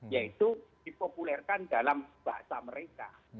yaitu dipopulerkan dalam bahasa mereka